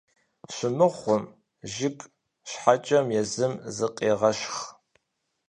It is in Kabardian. Щымыхъум, жыг щхьэкӀэм езым зыкъегъэщхъ.